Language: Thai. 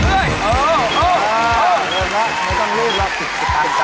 ไม่ต้องรีบละ